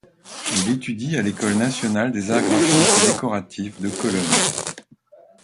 Il étudie à l'école nationale des arts graphiques et décoratifs de Cologne.